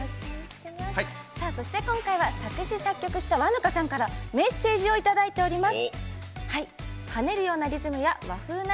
そして、今回は作詞・作曲した和ぬかさんからメッセージをいただいております。